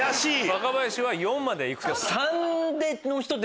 若林は４まで行く。